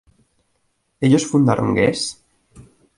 Ellos fundaron Guess?